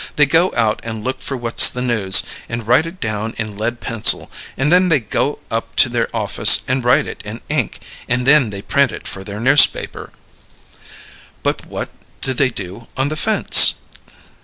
They go out and look for what's the news, and write it down in lead pencil; and then they go up to their office and write it in ink; and then they print it for their newspaper." "But what do they do on the fence?"